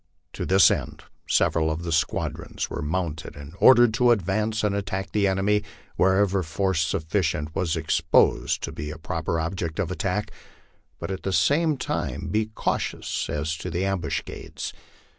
To this end several of the squadrons were mounted and ordered to advance and attack the enemy wherever force sufficient was exposed to be a proper object of attack, but at the same time to be cautious as to ambuscades.